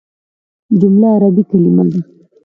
جمله عربي کليمه ده.